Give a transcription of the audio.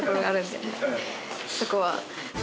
そこは。